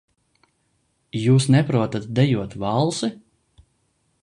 Jūs neprotat dejot valsi?